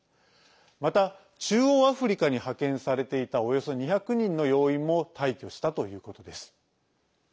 また、中央アフリカに派遣されていたおよそ２００人の要員も退去したということです。